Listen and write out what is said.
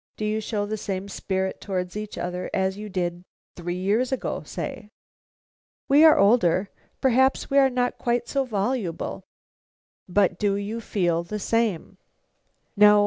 Do you show the same spirit towards each other as you did three years ago, say?" "We are older; perhaps we are not quite so voluble." "But do you feel the same?" "No.